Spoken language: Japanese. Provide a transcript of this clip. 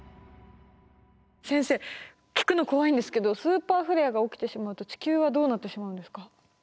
先生聞くの怖いんですけどスーパーフレアが起きてしまうと地球はどうなってしまうんですか？